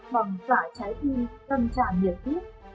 bằng cả trái tim tâm tràn nhiệt tuyết